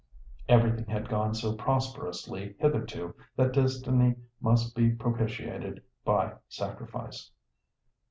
Everything had gone so prosperously hitherto that Destiny must be propitiated by sacrifice.